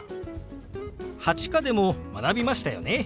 ８課でも学びましたよね。